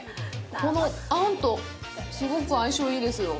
この餡とすごく相性いいですよ。